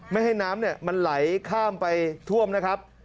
ไม่ให้น้ำมันไหลข้ามไปท่วมนะครับ